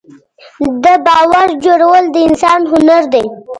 د باور جوړول د انسان هنر دی.